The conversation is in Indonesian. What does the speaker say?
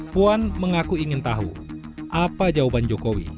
puan mengaku ingin tahu apa jawaban jokowi